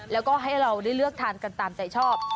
แล้วก็ให้เราได้เลือกทานกันตามใจชอบ